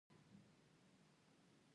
د ونو کینول هوا څنګه پاکوي؟